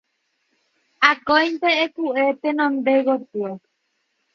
Akóinte eku'e tenonde gotyo